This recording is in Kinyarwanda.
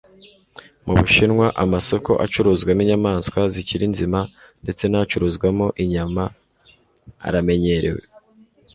Mu Bushinwa, amasoko acuruzwamo inyamaswa zikiri nzima ndetse n'acuruzwamo inyama aramenyerewe